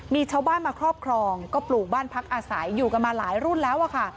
มีชาวบ้านมาครอบครองก็ปลูกบ้านพักอาศัยอยู่กันมาหลายรุ่นแล้วอะค่ะ